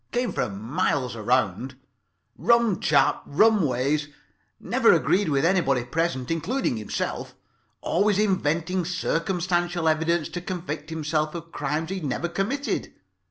Came from miles around. "Rum chap. Rum ways. Never agreed with anybody present, including himself. Always inventing circumstantial evidence to convict himself of crimes he had never committed.